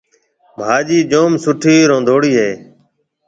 ڀاجِي جوم سُٺِي روندهوڙِي هيَ۔